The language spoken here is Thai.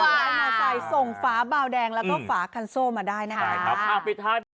มาใส่ส่งฝาเบาแดงแล้วก็ฝาคันโซ่มาได้นะครับ